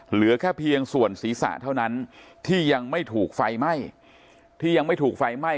เหลือแค่เพียงส่วนศีรษะเท่านั้นที่ยังไม่ถูกไฟไหม้